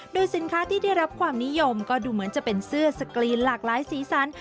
โดยสินค้าที่ได้รับความนิยมก็ดูเหมือนจะเป็นเสื้อสกรีนหลากหลายสีสัน